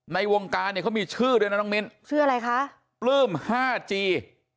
ในวงการเนี่ยเขามีชื่อด้วยนะน้องมิ้นชื่ออะไรคะปลื้มห้าจี